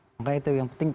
makanya itu yang penting